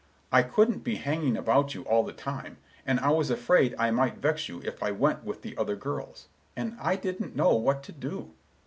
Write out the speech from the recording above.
I couldn't be hanging about you all the time, and I was afraid I might vex you if I went with the other girls; and I didn't know what to do."